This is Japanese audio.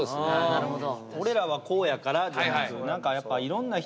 なるほど。